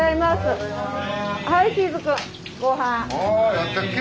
やったっけ！